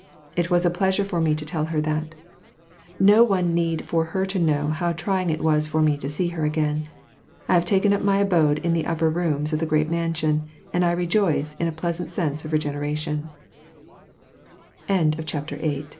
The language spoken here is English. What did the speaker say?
It was a pleasure for me to tell her that. No need for her to know how trying it was for me to see her again. I have taken up my abode in the upper rooms of the great mansion, and I rejoice in a pleasant se